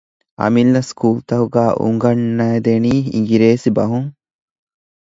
އަމިއްލަ ސްކޫލުތަކުގައި އުނގަންނައިދެނީ އިނގިރޭސި ބަހުން